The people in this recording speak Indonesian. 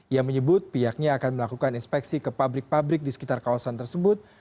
ia menyebut pihaknya akan melakukan inspeksi ke pabrik pabrik di sekitar kawasan tersebut